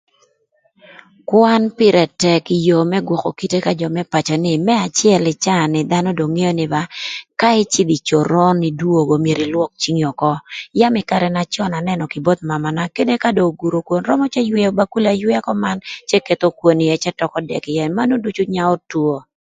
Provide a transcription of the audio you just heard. Kwan pïrë tëk ï yoo më gwökö kite ka jö më pacöni. Më acël ï caa ni dhanö dong ngeo nï ba ka ïcïdhö ï coron idwogo myero ïlwök cingi ökö yam anënö kï both mamana kadï ka dong oguro kwon ëywëö jami aywëa cë tökö dëk ïë manön ducu nyaö two